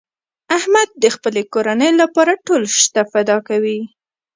احمد د خپلې کورنۍ لپاره ټول شته فدا کوي.